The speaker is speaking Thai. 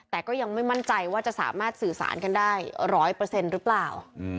แต่ก็ยังไม่มั่นใจว่าจะสามารถสื่อสารกันได้๑๐๐หรือเปล่า